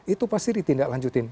itu pasti ditindaklanjutin